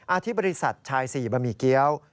ที่บริษัทชายสี่บะหมี่เกี้ยว